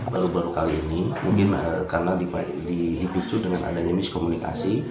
baru baru kali ini mungkin karena dihidup dengan adanya miskomunikasi